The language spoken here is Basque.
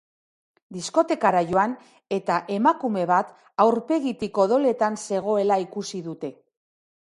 Diskotekara joan, eta emakume bat aurpegitik odoletan zegoela ikusi dute.